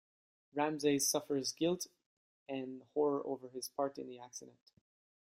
Ramsay suffers guilt and horror over his part in the accident.